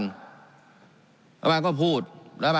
การปรับปรุงทางพื้นฐานสนามบิน